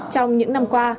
trong những năm qua